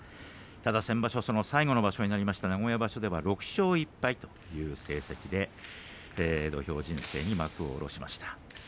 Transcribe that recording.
ただ先場所は最後の場所になりました名古屋場所では６勝１敗という成績で土俵人生に幕を下ろしました。